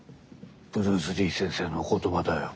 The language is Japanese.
ブルース・リー先生のお言葉だよ。